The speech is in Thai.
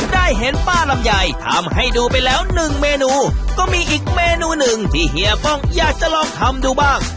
ได้เห็นป้าลำไยทำให้ดูไปแล้วหนึ่งเมนูก็มีอีกเมนูหนึ่งที่เฮียป้องอยากจะลองทำดูบ้าง